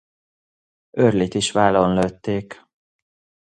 Early-t is vállon lőtték.